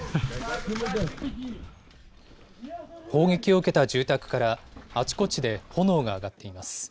砲撃を受けた住宅からあちこちで炎が上がっています。